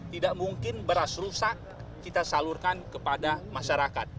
tidak mungkin beras rusak kita salurkan kepada masyarakat